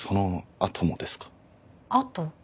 あと？